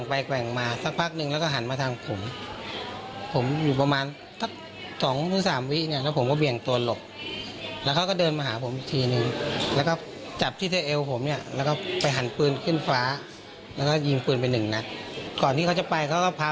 ไปฟังเสียงของผู้เสียหายกันหน่อยค่ะ